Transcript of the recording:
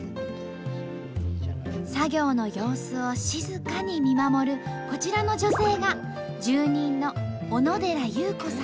作業の様子を静かに見守るこちらの女性が住人の９２歳？